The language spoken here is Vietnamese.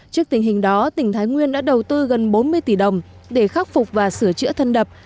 trước tình hình đó tỉnh thái nguyên đã đầu tư gần bốn mươi tỷ đồng để khắc phục và sửa chữa thân đập